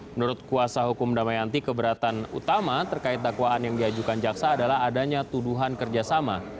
menurut kuasa hukum damayanti keberatan utama terkait dakwaan yang diajukan jaksa adalah adanya tuduhan kerjasama